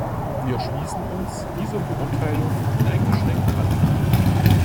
Wir schließen uns dieser Beurteilung uneingeschränkt an.